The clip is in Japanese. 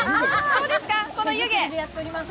どうですか、この湯気。